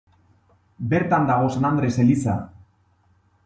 Bertan dago San Andres eliza.